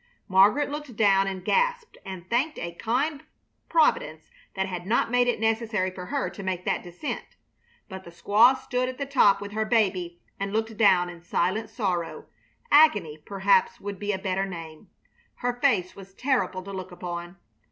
Margaret looked down and gasped and thanked a kind Providence that had not made it necessary for her to make that descent; but the squaw stood at the top with her baby and looked down in silent sorrow agony perhaps would be a better name. Her face was terrible to look upon.